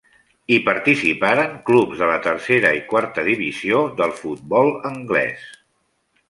Hi participaren clubs de la tercera i quarta divisió del futbol anglès.